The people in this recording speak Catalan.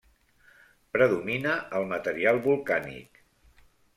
Predomina el material volcànic.